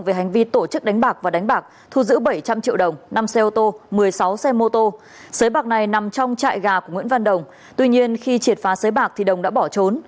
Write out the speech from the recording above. về hành vi tổ chức đánh bạc và đánh bạc thu giữ bảy trăm linh triệu đồng năm xe ô tô một mươi sáu xe mô tô